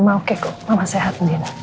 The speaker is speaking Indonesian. mama oke kok mama sehat